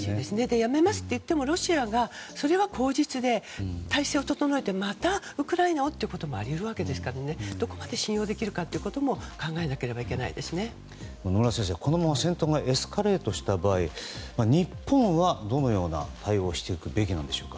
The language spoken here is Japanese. やめますといってもロシアは、それは口実で体制を整えてまたウクライナをということもあり得るわけですからどこまで信用できるかも野村先生、このまま戦闘がエスカレートした場合日本はどのような対応をするべきなのでしょうか。